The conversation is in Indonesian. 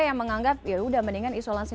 yang menganggap yaudah mendingan isolasi